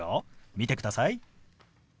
見てください。